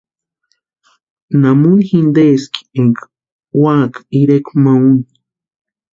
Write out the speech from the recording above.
¿Namuni jinteski énka úaka irekwa ma úni?